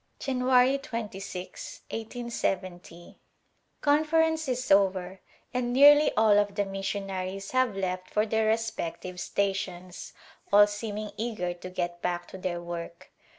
'January 26^ iSjO, Conference is over and nearly all of the mission aries have left for their respective stations, all seeming eager to get back to their work.